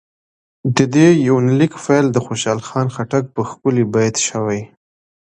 د دې يونليک پيل د خوشحال خټک په ښکلي بېت شوې